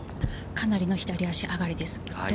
かなりの左足上がりです。